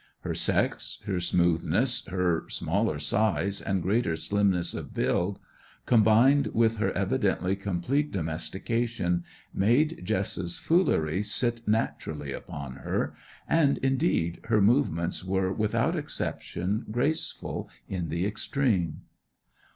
Her sex, her smoothness, her smaller size and greater slimness of build, combined with her evidently complete domestication, made Jess's foolery sit naturally upon her; and, indeed, her movements were without exception graceful in the extreme.